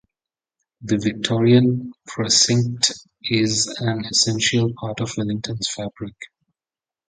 The Victorian precinct is an essential part of Wellington's fabric.